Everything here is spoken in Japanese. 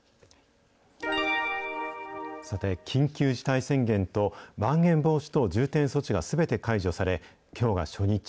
さて、緊急事態宣言とまん延防止等重点措置がすべて解除され、きょうが初日。